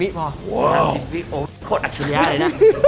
๓๐วิติโอ้โคตรอัจฉริยะเลยนะ